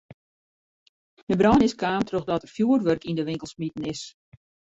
De brân is kaam trochdat der fjoerwurk yn de winkel smiten is.